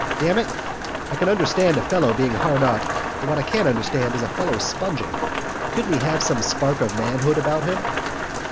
Damn it, I can understand a fellow being hard up, but what I can't understand is a fellow sponging. Couldn't he have some spark of manhood about him?"